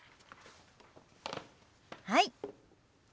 はい。